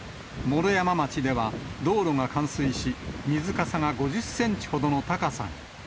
毛呂山町では道路が冠水し、水かさが５０センチほどの高さに。